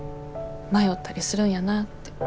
迷ったりするんやなって。